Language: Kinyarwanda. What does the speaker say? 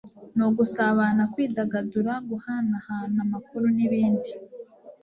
ni ugusabana, kwidagadura guhanahana amakuru n' ibindi